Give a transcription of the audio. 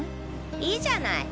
いいじゃない。